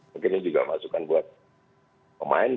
mungkin ini juga masukan buat pemain